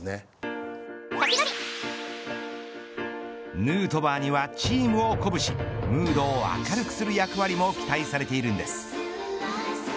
ヌートバーにはチームを鼓舞しムードを明るくする役割も期待されているんです。